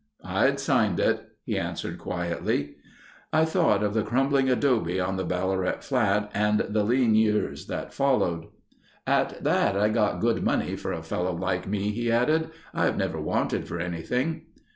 "I'd signed it," he answered quietly. I thought of the crumbling adobe on the Ballarat flat and the lean years that followed. "At that, I got good money for a fellow like me," he added. "I've never wanted for anything."